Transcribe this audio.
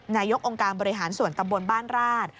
นายกองค์การบริหารส่วนตำบลบ้านราช